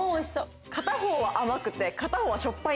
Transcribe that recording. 片方は甘くて片方はしょっぱいんですよ。